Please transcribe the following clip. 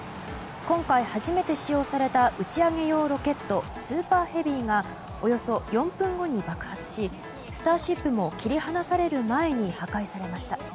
今回、初めて使用された打ち上げ用ロケット「スーパーヘビー」がおよそ４分後に爆発し「スターシップ」も切り離される前に破壊されました。